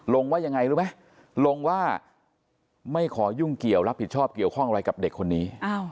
ว่ายังไงรู้ไหมลงว่าไม่ขอยุ่งเกี่ยวรับผิดชอบเกี่ยวข้องอะไรกับเด็กคนนี้